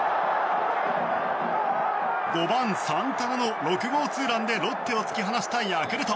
５番、サンタナの６号ツーランでロッテを突き放したヤクルト。